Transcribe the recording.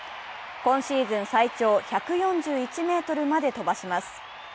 今シーズン最長１４１ｍまで飛ばします。